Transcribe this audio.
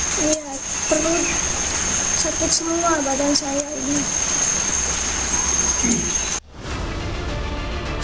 perut sakit semua badan saya ini